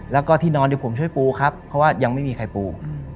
แล้วก็ที่นอนเดี๋ยวผมช่วยปูครับเพราะว่ายังไม่มีใครปู